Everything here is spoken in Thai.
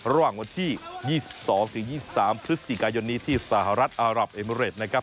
ระหว่างวันที่ยี่สิบสองถึงยี่สิบสามพฤษฎีกายนี้ที่สหรัฐอารับเอมิเรตนะครับ